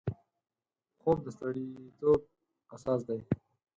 خوب د سړیتوب اساس دی